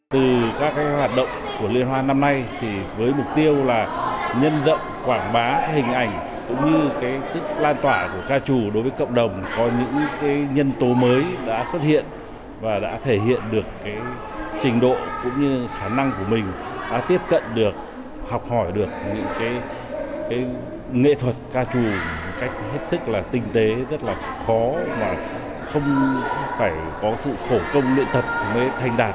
từ các hoạt động của liên hoan năm nay với mục tiêu là nhân rộng quảng bá hình ảnh cũng như sức lan tỏa của ca trù đối với cộng đồng có những nhân tố mới đã xuất hiện và đã thể hiện được trình độ cũng như khả năng của mình đã tiếp cận được học hỏi được những nghệ thuật ca trù một cách hết sức là tinh tế rất là khó mà không phải có sự khổ công luyện tập mới thành đạt